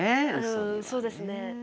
うんそうですね。